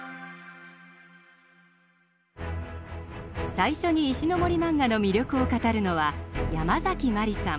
最初に石森マンガの魅力を語るのはヤマザキマリさん。